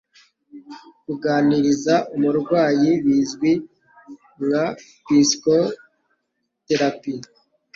Kuganiriza umurwayi bizwi nka psikoterapi.